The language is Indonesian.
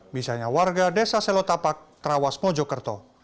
misalnya warga desa selotapak trawas mojokerto